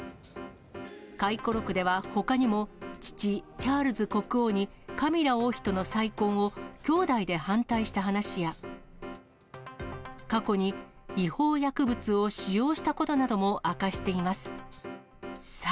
回顧録ではほかにも、父、チャールズ国王にカミラ王妃との再婚を兄弟で反対した話や、過去に違法薬物を使用したことなども明かしています。